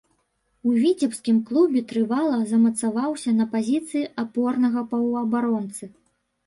У віцебскім клубе трывала замацаваўся на пазіцыі апорнага паўабаронцы.